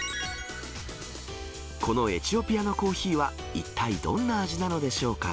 このエチオピアのコーヒーは、一体どんな味なのでしょうか。